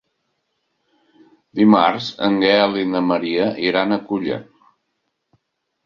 Dimarts en Gaël i na Maria iran a Culla.